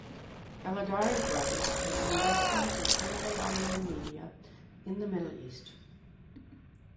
Galadari Brothers has investments in print and online media in the Middle East.